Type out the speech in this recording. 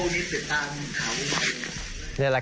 มีโดยมี